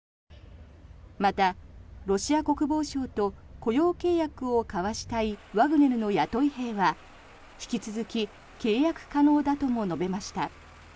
また、ロシア国防省と雇用契約を交わしたいワグネルの雇い兵は引き続き契約可能だとも述べました。